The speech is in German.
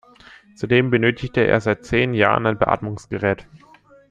Zudem benötigte er seit zehn Jahren ein Beatmungsgerät.